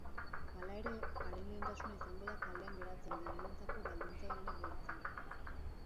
Hala ere, haren lehentasuna izango da kalean geratzen direnentzako baldintza onenak lortzea.